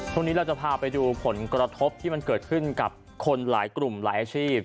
ช่วงนี้เราจะพาไปดูผลกระทบที่มันเกิดขึ้นกับคนหลายกลุ่มหลายอาชีพ